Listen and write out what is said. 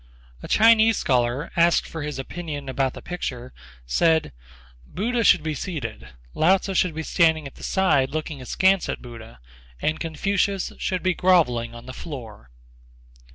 A Chinese scholar, asked for his opinion about the picture, said: "Buddha should be seated; Lao Tzu should be standing at the side looking askance at Buddha; and Confucius should be grovelling on the floor."